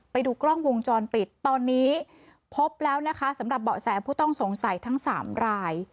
ไปดูกล้องวงจรปิดตอนนี้พบแล้วนะคะสำหรับเบาะแสผู้ต้องสงสัยทั้ง๓ราย